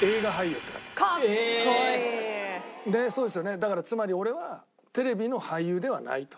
だからつまり俺はテレビの俳優ではないと。